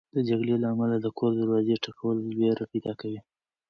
د جګړې له امله د کور د دروازې ټکول وېره پیدا کوي.